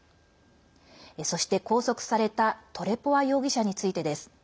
そして拘束されたトレポワ容疑者についてです。